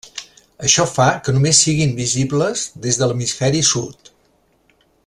Això fa que només siguin visibles des de l'hemisferi sud.